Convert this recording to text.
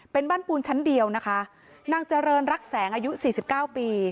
เป็นบ้านปูนชั้นเดียวนะคะนางเจริญรักแสงอายุสี่สิบเก้าปี